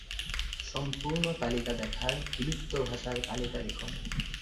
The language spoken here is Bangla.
সম্পূর্ণ তালিকা দেখার বিলুপ্ত ভাষার তালিকা দেখুন।